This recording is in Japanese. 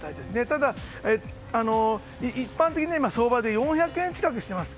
ただ、一般的な相場で４００円近くしています。